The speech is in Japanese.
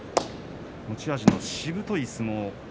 持ち味のしぶとい相撲。